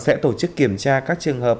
sẽ tổ chức kiểm tra các trường hợp